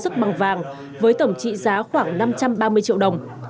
khoảng năm trăm ba mươi triệu đồng